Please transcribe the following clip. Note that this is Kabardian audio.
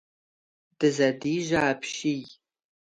Дызэдижьэ апщий!